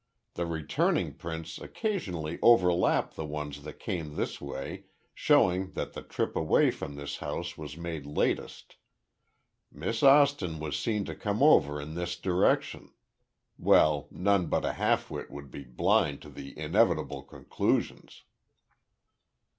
The returning prints occasionally overlap the ones that came this way, showing that the trip away from this house was made latest. Miss Austin was seen to come over in this direction—well, none but a half wit would be blind to the inevitable conclusions!"